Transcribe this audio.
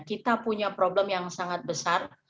kita punya problem yang sangat besar